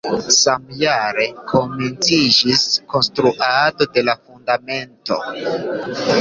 Samjare komenciĝis konstruado de la fundamento.